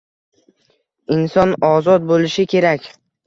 Inson ozod bo'lish kerak.